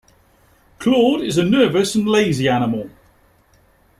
Claude is a nervous and lazy animal.